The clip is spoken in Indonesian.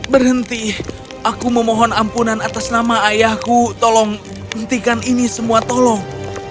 berhenti aku memohon ampunan atas nama ayahku tolong hentikan ini semua tolong